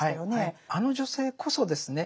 あの女性こそですね